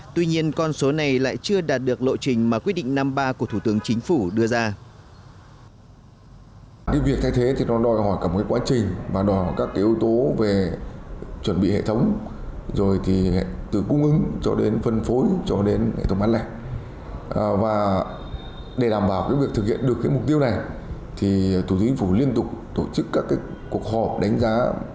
tuy nhiên con số này lại chưa đạt được lộ trình mà quyết định năm ba của thủ tướng chính phủ đưa ra